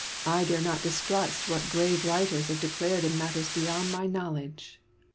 Hooker. I dare not distrust what grave writers have declared in matters beyond my knowledge. Bacon.